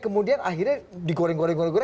kemudian akhirnya digoreng goreng